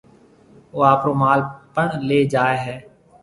او آپرو مال پڻ ليَ جائيَ ھيََََ